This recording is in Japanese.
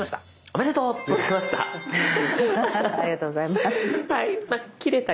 ありがとうございます。